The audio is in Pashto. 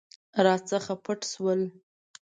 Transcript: راڅخه پټ شول.